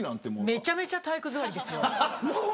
めちゃめちゃ体育座りですよ。